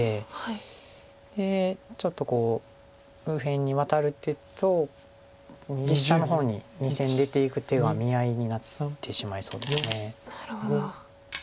でちょっとこう右辺にワタる手と右下の方に２線出ていく手が見合いになってしまいそうです。